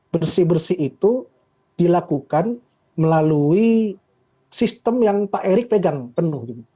bersih bersih itu dilakukan melalui sistem yang pak erick pegang penuh